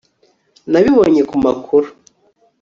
Nabibonye kumakuru